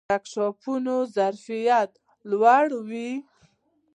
ورکشاپونه ظرفیت لوړوي